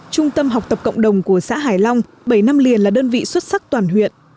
trung tâm học tập cộng đồng của xã hải long bảy năm liền là đơn vị xuất sắc toàn huyện